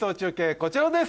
こちらです